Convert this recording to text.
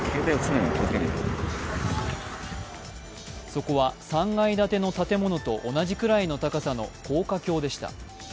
そこは３階建ての建物と同じくらいの高さの高架橋でした。